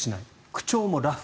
口調もラフ。